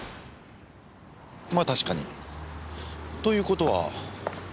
まあ確かに。という事は。